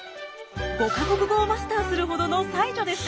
５か国語をマスターするほどの才女でした。